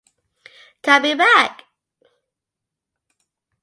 Coming back.